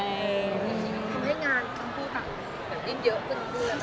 ทำให้งานของผู้หญิงเยอะขึ้นด้วย